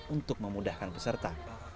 untuk memudahkan peserta